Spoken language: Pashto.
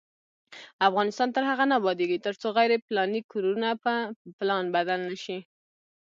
افغانستان تر هغو نه ابادیږي، ترڅو غیر پلاني کورونه په پلان بدل نشي.